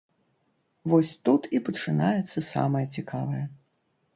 Вось тут і пачынаецца самае цікавае.